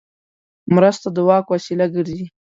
مرسته د واک وسیله ګرځي.